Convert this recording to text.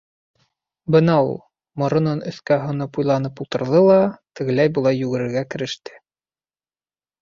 Бына ул, моронон өҫкә һоноп уйланып ултырҙы ла, тегеләй-былай йүгерергә кереште.